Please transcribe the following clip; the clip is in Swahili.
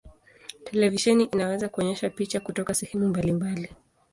Televisheni inaweza kuonyesha picha kutoka sehemu mbalimbali.